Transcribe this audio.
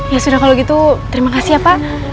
ya sudah kalau gitu terima kasih ya pak